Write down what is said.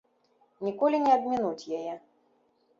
Ніколі не абмінуць яе.